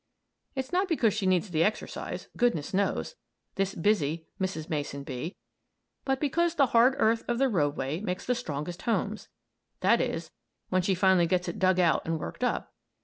It's not because she needs the exercise, goodness knows this busy Mrs. Mason Bee but because the hard earth of the roadway makes the strongest homes; that is, when she finally gets it dug out and worked up.